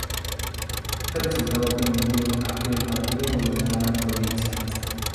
Este resultado permitió a que el partido gobernara la provincia.